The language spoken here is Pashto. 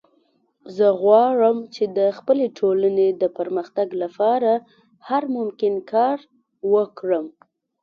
زه غواړم چې د خپلې ټولنې د پرمختګ لپاره هر ممکن کار وکړم